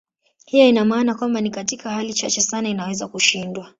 Hiyo ina maana kwamba ni katika hali chache sana inaweza kushindwa.